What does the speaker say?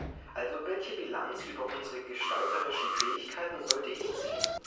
Also, welche Bilanz über unsere gestalterischen Fähigkeiten sollte ich ziehen?